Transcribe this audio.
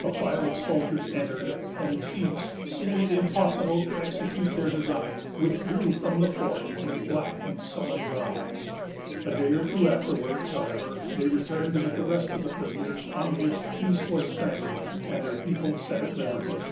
A file of soldiers entered, and the chiefs, seeing it impossible to execute their design, withdrew from the fort, with black and sullen brows. A day or two afterwards, however, they returned with the rest of the prisoners, on which peace was granted them, and their people set at liberty.